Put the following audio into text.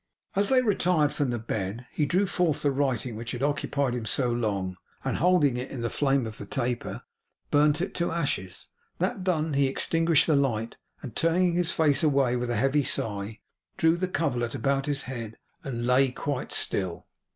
As they retired from the bed, he drew forth the writing which had occupied him so long, and holding it in the flame of the taper burnt it to ashes. That done, he extinguished the light, and turning his face away with a heavy sigh, drew the coverlet about his head, and lay quite still.